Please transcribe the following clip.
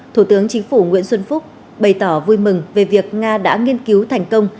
thủ tướng chính phủ nguyễn xuân phúc bày tỏ vui mừng về việc nga đã nghiên cứu thành công